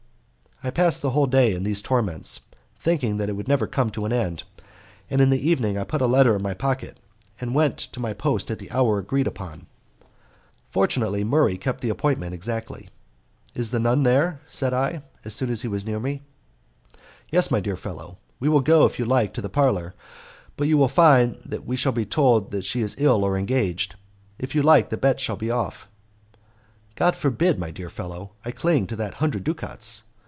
I passed the whole day in these torments, thinking it would never come to an end, and in the evening I put a letter in my pocket, and went to my post at the hour agreed upon. Fortunately, Murray kept the appointment exactly. "Is the nun there?" said I, as soon as he was near me. "Yes, my dear fellow. We will go, if you like, to the parlour; but you will find that we shall be told she is ill or engaged. If you like, the bet shall be off." "God forbid, my dear fellow! I cling to that hundred ducats.